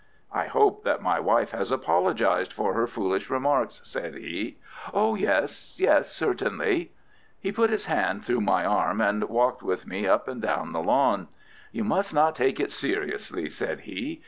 "I hope that my wife has apologized for her foolish remarks," said he. "Oh, yes—yes, certainly!" He put his hand through my arm and walked with me up and down the lawn. "You must not take it seriously," said he.